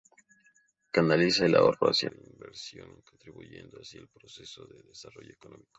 Canaliza el ahorro hacia la inversión, contribuyendo así al proceso de desarrollo económico.